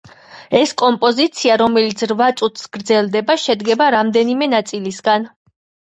ეს კომპოზიცია, რომელიც რვა წუთს გრძელდება, შედგება რამდენიმე ნაწილისგან.